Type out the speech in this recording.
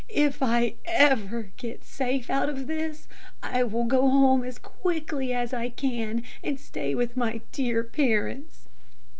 "If I ever get safe out of this, I will go home as quickly as I can and stay with my dear parents!"